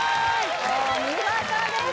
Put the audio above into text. お見事です